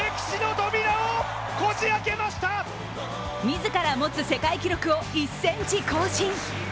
自ら持つ世界記録を１ｃｍ更新。